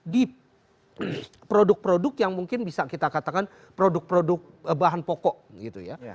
di produk produk yang mungkin bisa kita katakan produk produk bahan pokok gitu ya